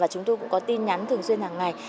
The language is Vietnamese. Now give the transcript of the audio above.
chúng tôi cũng có tin nhắn thường xuyên hàng ngày